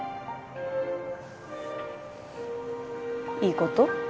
いいこと？